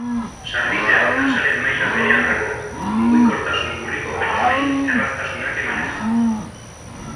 Sarbidea nasaren maila berean dago, mugikortasun urriko pertsonei erraztasunak emanez.